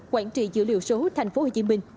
quản trị dữ liệu số tp hcm